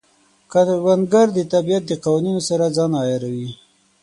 کروندګر د طبیعت د قوانینو سره ځان عیاروي